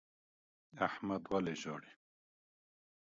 احمد ولي ژاړي؟